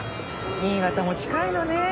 新潟も近いのねえ。